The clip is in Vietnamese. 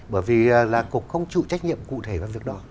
bởi vì là cục không chịu trách nhiệm cụ thể vào việc đó